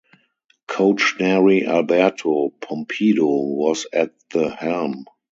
Coach Nery Alberto Pumpido was at the helm.